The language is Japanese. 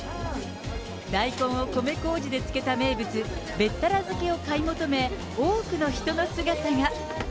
大根を米こうじで漬けた名物、べったら漬けを買い求め、多くの人の姿が。